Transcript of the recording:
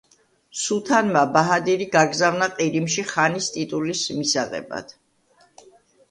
სულთანმა ბაჰადირი გაგზავნა ყირიმში ხანის ტიტულის მისაღებად.